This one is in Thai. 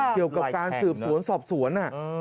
เกี่ยวกับการสืบสวนสอบสวน